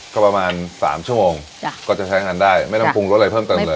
ก็ประมาณ๓ชั่วโมงก็จะใช้งานได้ไม่ต้องปรุงรสอะไรเพิ่มเติมเลย